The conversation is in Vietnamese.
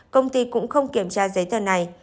công ty cũng không kiểm tra giấy thở này